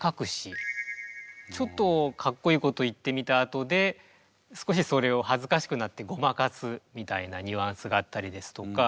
ちょっとかっこいいこと言ってみたあとで少しそれを恥ずかしくなってごまかすみたいなニュアンスがあったりですとか。